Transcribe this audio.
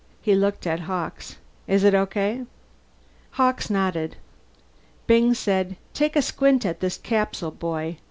He looked at Hawkes. "Is it okay?" Hawkes nodded. Byng said, "Take a squint at this capsule, boy.